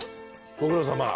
ご苦労さま。